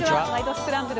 スクランブル」